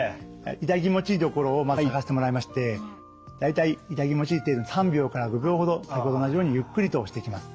痛気持ちいい所をまず探してもらいまして大体痛気持ちいい程度に３秒から５秒ほど先ほどと同じようにゆっくりと押していきます。